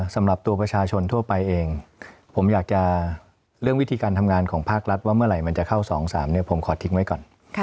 สำหรับตัวประชาชนทั่วไปเองผมอยากจะเรื่องวิธีการทำงานของภาครัฐว่าเมื่อไหร่มันจะเข้า๒๓ผมขอทิ้งไว้ก่อน